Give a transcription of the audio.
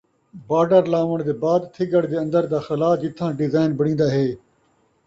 باݙر لاوݨ تُوں بعد تِھڳڑ دے اَندر دا خَلا جِتّھاں ڈیزائن بݨِین٘دا ہِے،